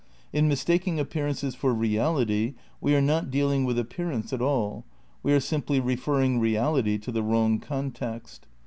In mistaking appearances for reality we are not dealing with appearance at all, we are simply referring reality to the wrong context.